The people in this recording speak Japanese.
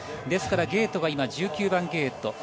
ですからゲートが今、１９番ゲート。